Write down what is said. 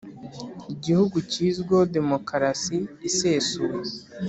igihugu kizwiho demokarasi isesuye,